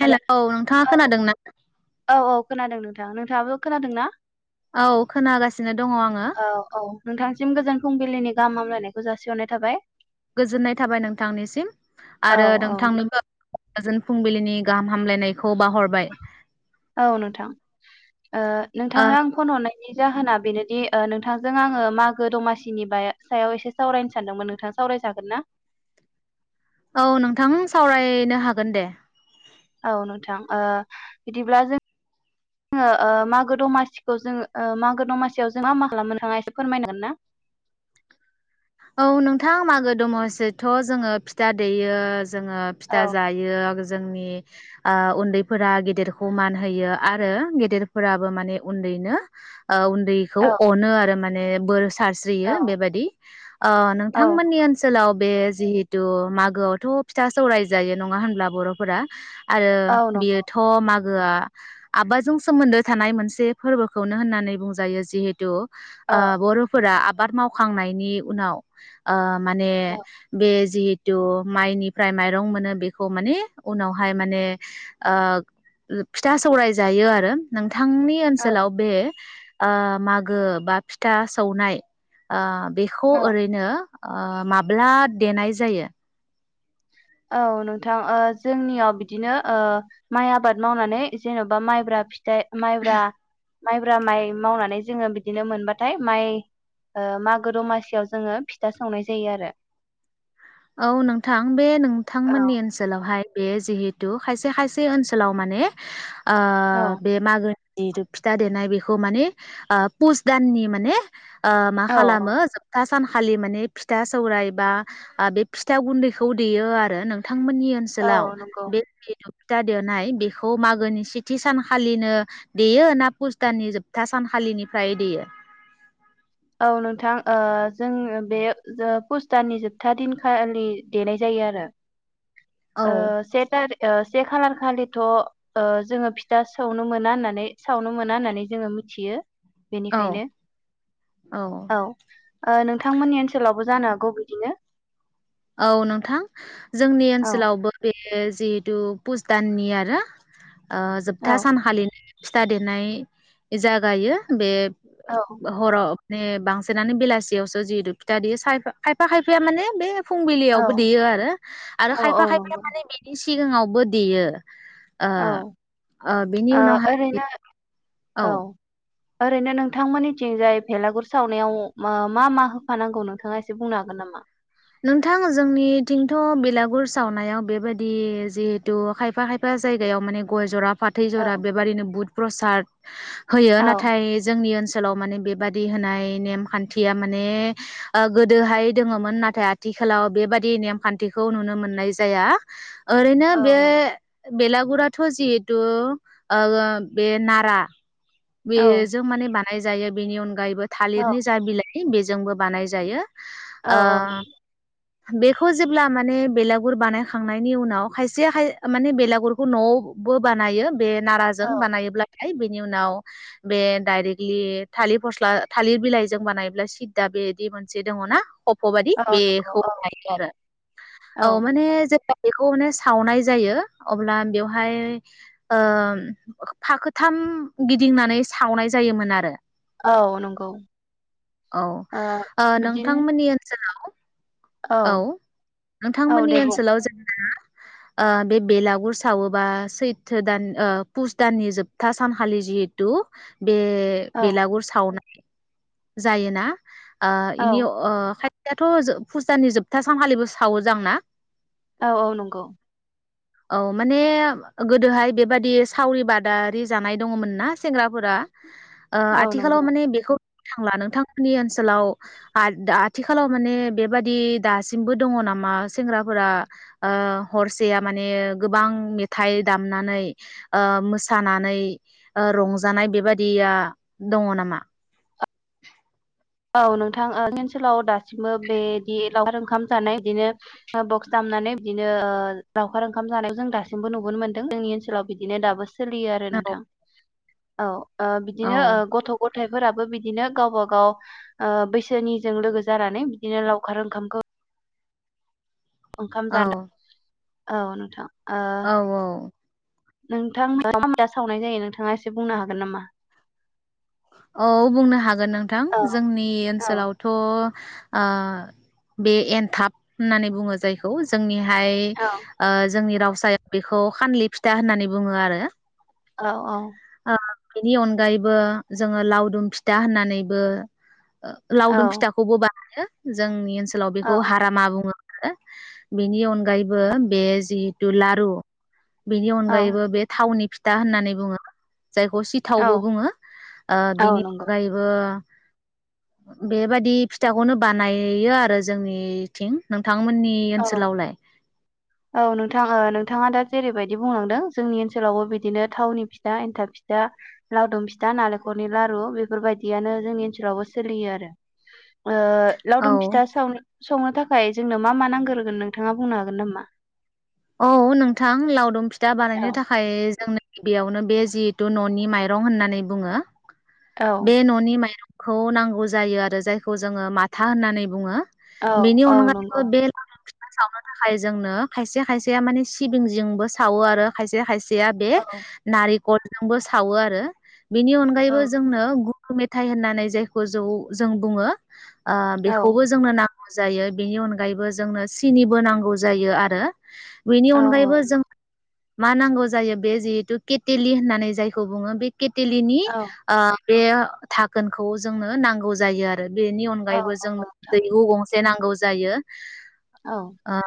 हेल औ नोंथाङा औ खोनादों ना थाङाबोथ खोनादों ना? औ खोनागासिनो दङ आङो। औ औ नोंथांसिम गोजोन फुंबिलिनि गाहाम हामलायनायखौ जासिहरनाय थाबाय। गोजोननाय थाबाय नोंथांनिसिम औ आरो औ नोंथांनोबो। फुंबिलिनि गाहाम हामलायनायखौ बाहरबाय औ नोंथां ओ ओ नोंथांनो आं फन हरनाय नि जाहोना बेनोदि ओ नोंथांजों आङो मागो दमासिनि सायाव एसे सावरायनो सानदोंमोन नोंथां सावराय जागोन ना? औ नोंथां सावरायनो हागोन दे। औ नोंथां बिदिब्ला जोंङो ओ मागो दमासिखौ जोङो ओ मागो दमासियाव जों मा मा खालामनो नोंथाङा एसे फोरमायनो हागोन ना। औ नोंथां मागो दमासिथ' जोङो फिथा देयो। जोङो औ फिथा जायो जोंनि ओ उन्दैफोरा गेदेरखौ मान होयो आरो गेदेरफोराबो माने उन्दैनो ओ उन्दैखौ औ अनो आरो माने। बोर सारज्रियो औ बेबायदि अ नोंथांमोननि औ ओनसोलाव बे जिहेथु मागोआवथ' फिथा सौराय जायो नङा होनब्ला बर'फोरा आरो औ नंगौ बियोथ' मा आ आबादाजों सोमोन्दो थानाय मोनसे फोरबोखौनो होननानै बुंजायो जिहेतु। औ ओ बर'फोरा। आबाद मावखांनायनि उनाव ओ माने औ बे जिहेथु माइनिफ्राय माइरं मोनो बेखौ माने उनावहाय माने ओ फिथा सौराय जायो आरो नों बिथांनि ओनसोलाव औ बे ओ मागो बा फिथा सौनाय ओ खौ औ ओरैनो ओ माब्ला देनाय जायो? औ नोंथां ओ जोंनियाव बिदिनो ओ माइ आबाद मावनानै जेन'बा माइब्रा फिथ माइब्रा माइब्रा माइ मावनानै जोङो बिदिनो मोनबाथाय माइ मागो ओ दमासियाव जोङो फिथा संनाय जायो आरो। औ नोंथां बे नों औ नोंथांमोननि ओनसोलावहाय बे जिहेतु खायसे खायसे ओनसोलाव माने ओ औ बे मागो जिहेथु फिथा देनाय बेखौ माने ओ पुस दाननि माने ओ मा खालामो औ जोबथा सानखालि माने फिथा सौराइ बा बे फिथा गुन्दैखौ देयो आरो नोंथां थांमोननि ओनसोलाव औ नंगौ बे जि ता देनाय बेखौ मागोनि सेथि सानखालिनो देयो ना पुसदानानि जोबथा सानखालिनिफ्राय देयो औ नोंथां ओ जों बे पुसदाननि जोबथा दिनखालि देनाय जायो आरो औ ओ से ता जे खालार खालिथ' ओ जोङो फिथा सौनो मोना होननानै सावनो मोना होननानै जोङो मिथियो औ बेनिखायनो औ ओ नोंथांमोननि ओनसोलावबो जानो हागौ बिदिनो औ नोंथां जोंनि औ ओनसोलावबो बे [unintelligible] बे जिहेतु पुस दाननि आरो ओ औ जोबथा सान खालिनो फिथा देरनाय जागायो बे औ हराव ने बांसिनानो बेलासियावसो जिहेतु फिथा देयो साय खायफा खायफाया माने बे औ फुंबिलियावबो देयो आरो आरो औ औ खायफा खायफाया नंगौ माने बेनि सि सिगाङावबो देयो ओ ओ बिनि उनावहाय ओरैनो औ ओरैनो नोंथांमोननिथिंजाय भेलागुर सावनायाव मा मा होफानांगौ नोंथाङा एसे बुंनो हागोन नामा नोंथां जोंनि थिंथ बिलागुर सावनायाव बेबायदि जिहेथु खायफा खायफा जायगायाव माने गय जरा फाथै औ जरा बेबादिनो बुद प्रसाद होयो औ नाथाय जोंनि ओनसो लाव माने बेबादि होनाय नेम खान्थिया माने गोदोहाय दोङोमोन ना थाय आथिखालाव बेबादि नेमखान्थिखौ नुनो मोननाय जाया ओरैनो औ बे नं बेलागुराथ जिहेथु ओ बे नारा औ बेजों माने बा नाय जायो बेनि अन गायैबो औ थालिरनि जा बिलाइ ओ बेजोंबो बानाय जायो औ औ ओ नं बेखौ जेब्ला माने बेलागुर बानायखांनायनि उनाव खायसेाय माने बेलागुरखौ न'आवबो बानायो बे नाराजों औ बानायोब्ला है बेनि उनाव बे डायरेक्टलि थालिर फस्ला थालिर बिलाइजों बानायोबब्ला सिददा बेबायदि मोनसे दङना खफ' बायि औ नंगौ बेखौ औ लायो आरो औ माने जों बेखौ माने सावनाय जायो अब्ला बेवहाय ओ फाखोथाम गिदिंनानै सावनाय जायोमोन आरो औ नंगौ औ ओ बिदिनो नोंथांमोननि ओनसोलाव औ औ नोंथांमोननि दे बुं ओनसोलाव जेनेबा ओ बे बेलागुर सावोबा सैथ दान ओ पुस दाननि जोबथा सानखालि जिहेतु बे औ बेलागुर सावनाय जायोना आ औ इनि अ दाथ' फुजानि जोबथा सानखालिबो सावो जां ना औ औ नंगौ औ माने गोदोहाय बेबादि सावरि बादारि जानाय दङमोन ना सेंग्राफोरा ओ औ आथिखालाव नंगौ माने बेखौ थांला नोंथांमोननि ओनसोलाव दा आथिखालाव माने बेबादि दासिमबो दङ नामा सेंग्राफोरा ओ हरसेया माने गोबां मेथाइ दामनानै ओ मोसानानै ओ रंजानाय बेबादिया दङ नामा औ नोंथां जोंनि ओनसोलाव दासिमबो बेदि लावखार ओंखाम जानाय बिदिनो बक्स दामनानै बिदिनो ओ लावखार ओंखाम जानायखौ जों दासिमबो नुबोनो मोनदों जोंनि ओनसोलाव बिदिनो दाबो सोलियो आरो औ नोंथां औ ओ औ बिदिनो गथ गथ फिथाइफोराबो बिदिनो गावबा गाव ओ बैसोनिजों लोगो जानानै बिदिनो लावखार ओंखामखौ ओंखाम औ जानो औ नोंथां ओ औ औ नोंथां मोना मा मा फिथा सावनाय जायो नोंथाङा एसे बुंनो हागोन नामा औ बुंनो हागोन गोन नोंथां औ जोंनि औ ओनसोलावथ' ओ बे एनथाब होननानै बुङो जायखौ जोंनि हाय औ ओ जोंनि रावाव हारसाया बेखौ खानलि फिथा होननानै बुङो आरो औ औ ओ बेनि अनगायैबो जोङो लावदुम फिथा होननानैबो औ लावदुम फिथाखौबो बानायो जोंनि ओनसोलाव औ बेखौ हार मा बुङो बेनि अनगायैबो बे जिहेतु लारु बेनि औ अनगायैबो बे थावनि फि था होननानै बुङो जायखौ सिथावबो औ बुङो ओ औ बेनि नंगौ अनगायैबो ओ बेबादि फिथाखौनो बानायो आरो जोंनिथिं नों औ औ नोंथां नोंथाङा दा जेरैबायदि बुंलांदों जोंनि ओनसोलावबो बिदिनो थावनि फिथा एन्थाब फिथा लावदुम फिथा नालेंखलनि लारु बेफोरबायदियानो जोंनि ओनसोलावबो सोलियो आरो ओ औ लावदुम फिथा साव संनो थाखाय खाय जोंनो मा मा नांगौ ग्रोगोन नोंथाङा बुंनो हागोन नामा औ नोंथां लावदुम फिथ दा औ बानायनो थाखाय जोंनो बेयावनो बे जिहेतु न'नि माइरं होननानै बुङो औ बे न'नि माइरं खौ नांगौ जायो आरो जायखौ जोङो माथा होननानै बुङो बेनि औ नंगौ अनगायैबो बे लावदुम सावनो थाखाय जोंनो खायसे खायसे खायसेया माने सिबिं जिंबो सावो आरो खायसे खायसे बेया औ बे कलजोंबो सावो आरो बेनि औ अनगायैबो जोंनो मेथाइ होननानै जायखौ जौ जों बुङो ओ औ बेखौबो जोंनो नां जायो बेनि अनगायैबो जोंनो सिनिबो नांगौ जायो आरो बेनि औ औ अनगायैबो जों नंगौ मा नांगौ जायो बे जिहेतु केटेलि होननानै जायखौ बुङो बे केटेलनि आ बे थाखोनखौ जोंनो नांगौ जायो आरो बेनि अनगायैबो जों दैहु गंसे नांगौ जायो। औ आ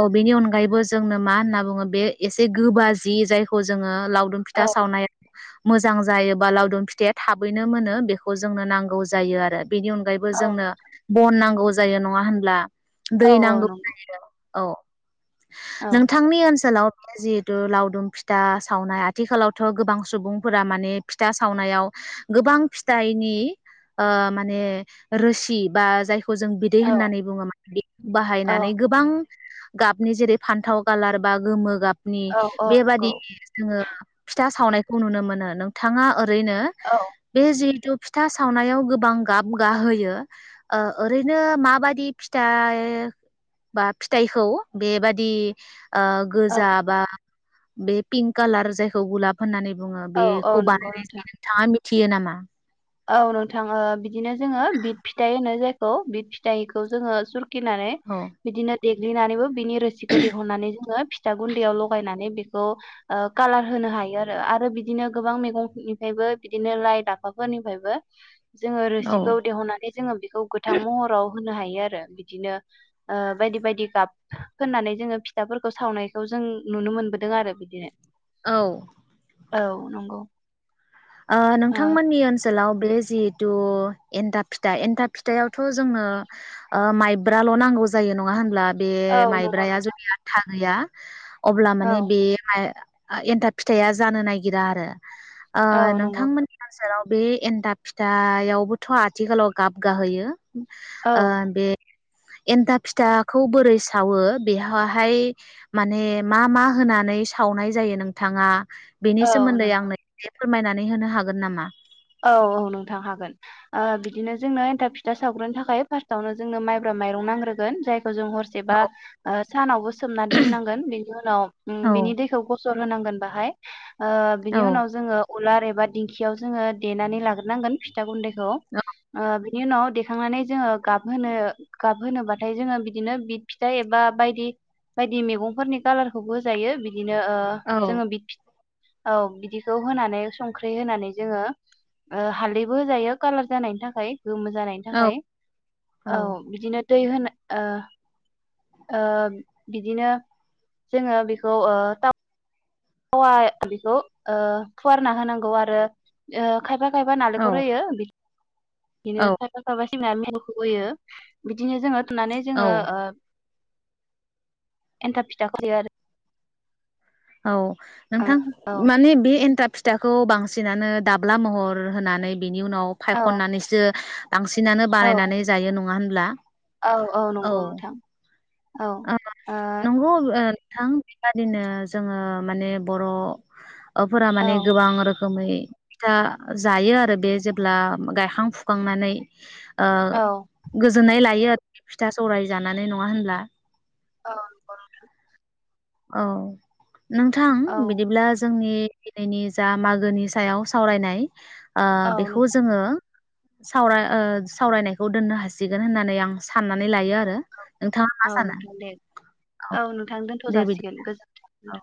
औ बेनि अनगायैबो जोंनो मा होनना बुङो बे एसे गोबा जि जायखौ जोङो। लावदुम औ फिथा सावनायाव मोजां जायोबा लावदुम फिथाइया थाबैनो मोनो बेखौ जोंनो नांगौ जायो आरो बेनि औ अनगायैबो जोंनो बन नांगौ जा जायो नङा होनब्ला? दै नांगौ जायो। औ नोंथांनि ओनसोलाव जिहेथु लावदुम फिथा सावनाय आथिखालावथ' गोबां सुबुंफोरा माने फिथा सावनायाव ओ गोबां फिथाइनि माने रोसि बा जाय खौ जों बिदै होननानै बुङो माने बे औ बाहायनानै गोबां गाबनि जेरै फान्थाव कालार बा गोमो गाब नि औ औ बेबादि नंगौ जोङो फिथा सावनायखौ नुनो मोनो नोंथाङा ओ ओरैनो औ बे जिहेथु फिथा सावनायाव गोबां गाब गाहोयो ओरैनो माबादि फिथाइ बा फिथाइखौ बेबि दि ओ‌‌ औ गोजा‌ बा बे पिंक कालार जायखौ गुलाब होननानै बुङो औ औ नंगौ औ बेखौ नंगौ बानायनाय नोंथां जायो नोंथाङा थियो नामा औ नोंथां बिदिनो जोङो बिद फिथाइ होनो जायखौ बिद फिथाइखौ जोङो स नानै औ बिदिनो देग्लिनानैबो बिनि रोसिखौ दिहुननानै जोङो फिथा गुन्दैयाव लगायनानै बेखौ कालार होनो हायो आरो आरो बिदिनो गोबां मैगंनिफ्रायबो बिदिनो लाइ लाफा फोरनिफ्रायबो जोङो औ रोसिखौ देहनानै जोङो बेखौ गोथां महराव होनो हायो आरो बिदिनो ओ बायदि बायदि गाब फोननानै जोङो फिथाफोरखौ सावनायखौ जों नुनो मोनबोदों आरो बिदिनो औ नंगौ ओ‌ नोंथांमोननि ओ ओनसोलाव बे जिहेतु एन्था फिथा एन्था फिथायावथ' जोंनो ओ माइब्राल' नांगौ जायो नङा होनब्ला बे औ नंगौ माइब्राया जुदि आ था गैया अब्ला नोंथां औ माने बे माइ एन्थाब फिथाइया जानो नागिरा आरो ओ औ नंगौ नोंथांमोन [unintelligible] बे एनन्दाब फिथा यावबोथ' आथिखालाव गाब गाहोयो ओ औ बे एन्थाब फिथाखौ बोरै सावो बेहावहाय माने मा मा होनानै सावनाय जायो नोंथाङा बेनि औ सोमोन्दै नोंथां आंनो फोरमायनानै होनो हागोन नामा औ औ नोंथां हागोन ओ बिदिनो जोंनो एन्थाब फिथा सावग्रोनो थाखाय फार्स्टआवनो जोंनो माइब्रा माइरं नांग्रोगोन जाय हरजों हरसेबा ओ सानावबो सोमना दोननांगोन बेनि उनाव उम औ बिनि दैखौ गसर ग्रोनांगोन बाहाय ओ औ बिनि उनाव जोङो उलार एबा दिंखियाव जोङो देनानै लाग्रोनांगोन फिथा गुन्दै खौ बिनि उनाव देखांनानै जोङो गाबहोनो गाबहोनोबाथाय जोङो बिदिनो बिद फिथाइ एबा बायदि बायदि मैगंफोरनि कालारखौबो होजायो बि दिनो ओ औ जोङो बिद औ बिदिखौ होनानै संख्रि होनानै जोङो ओ हालदैबो होजायो कालार जानायनि थाखाय गोमो जानायनि औ थाखाय औ बिदिनो दै होनो ओ ओ बिदिनो जोङो बेखौ ओ था वा बेखौ ओ फुवारना होनांगौ आरो ओ खायफा खायफा नालेखर औ होयो बि बिदिनो खायफा खायफा [inaudible] बिदिनो जोङो थुनानै औ जोङो ओ एन्थाब फिथा खालायो आरो औ नोंथां आरो ओ माने बे एन्टाब फि फिथाखौ बांसिनानो दाब्ला महर होनानै बिनि उनाव औ फायखननानैसो बांसिनानो औ बानायनानै जायो नङा होन ब्ला औ औ नंगौ नोंथां औ आ नंगौ ओ थां बेबादिनो जोङो माने बर' फोरा ओ माने गोबां रो खोमै फिथा जायो आरो बे जेब्ला गायखां फुखांनानै ओ औ गोजोननाय लायो फिथा सौराय जानानै नङा होनब्ला औ नंगौ नोंथां औ नोंथां औ बिदिब्ला जोंनि दिनैनि जा मागोनि सायाव सावरायनाय ओ औ बेखौ नोंथां जोङो सावरा ओ सावरायनायखौ दोननो हासिगोन होननानै आं सा ननानै लायो आरो नोंथाङा मा औ सानो औ दे बिदि थजासिगोन औ गोजोनथों